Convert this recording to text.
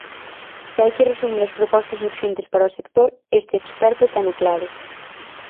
Se hai que resumir as propostas urxentes para o sector, este experto teno claro.